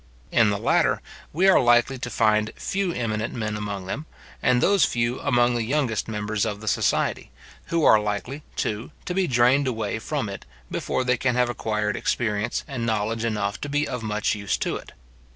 In the latter, we are likely to find few eminent men among them, and those few among the youngest members of the society, who are likely, too, to be drained away from it, before they can have acquired experience and knowledge enough to be of much use to it.